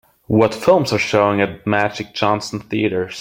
What films are showing at Magic Johnson Theatres.